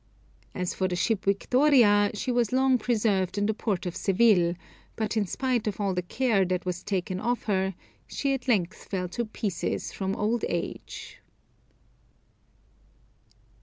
As for the ship Victoria, she was long preserved in the port of Seville, but in spite of all the care that was taken of her, she at length fell to pieces from old age.